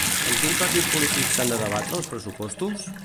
Amb quin partit polític s'han de debatre els pressupostos?